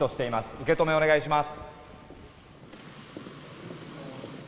受け止めをお願いします。